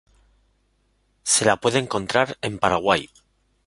Se la puede encontrar en Paraguay.